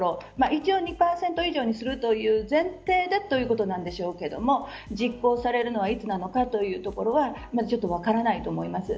一応、２％以上にするという前提だということなんでしょうけども実行されるのはいつなのかというところはちょっと分からないと思います。